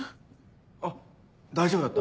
あっ大丈夫だった？